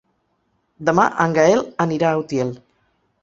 Demà en Gaël anirà a Utiel.